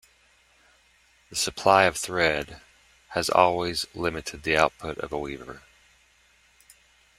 The supply of thread has always limited the output of a weaver.